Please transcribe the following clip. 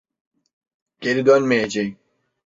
Geri dönmeyeceğim.